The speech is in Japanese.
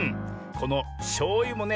このしょうゆもね